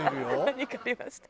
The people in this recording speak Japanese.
「何かありました？」